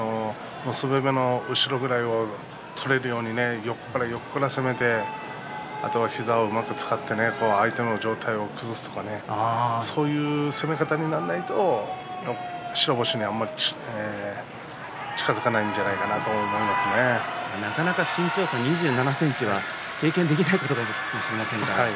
結び目の後ろぐらいを取れるように横から横から攻めてあと膝をうまく使って相手の上体を崩すとかそういう攻め方にならないと白星に近づけないんじゃないか身長差２７ｃｍはなかなか経験できないことですからね。